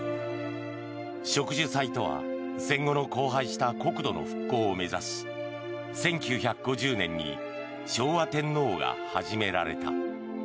植樹祭とは戦後の荒廃した国土の復興を目指し１９５０年に昭和天皇が始められた。